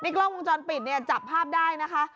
ในกล้องวงจรปิดจับภาพได้นะคะ